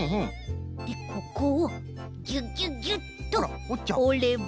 でここをギュギュギュッとおれば。